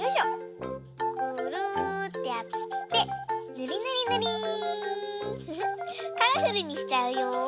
ぐるってやってぬりぬりぬり。フフ。カラフルにしちゃうよ。